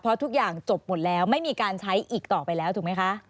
เพราะทุกอย่างจบหมดแล้วไม่มีการใช้อีกต่อไปแล้วถูกไหมคะ